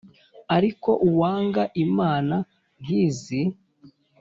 Ariko uwanga inama nk`izi